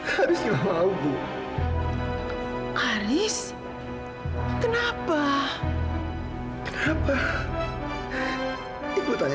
haris gak akan berada seperti seperti ini